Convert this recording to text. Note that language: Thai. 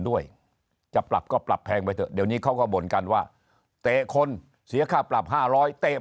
ด้วยจะปรับก็ปรับแพงไปเถอะเดี๋ยวนี้เขาก็บ่นกันว่าเตะคนเสียค่าปรับ๕๐๐เตะ